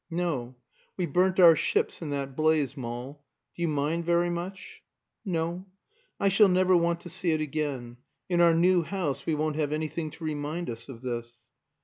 "No. We burnt our ships in that blaze, Moll. Do you mind very much?" "No. I shall never want to see it again. In our new house we won't have anything to remind us of this."